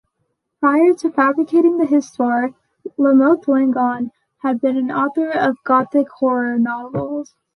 Prior to fabricating the "Histoire", Lamothe-Langon had been an author of gothic horror novels.